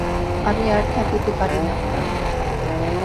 আমি আর থাকিতে পারিলাম না।